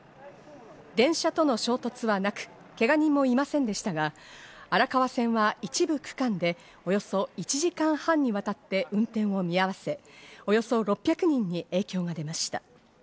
電車との衝突はなく、けが人もいませんでしたが荒川線は一部区間でおよそ１時間半にわたって運転を見合わせ、およそ６００人に影響が出ました。